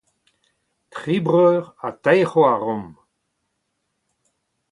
Tri breur ha teir c'hoar omp.